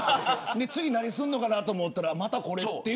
次、何をするのかと思ったらまた、これという。